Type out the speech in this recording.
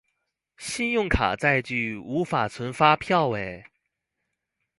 信用卡載具無法存發票耶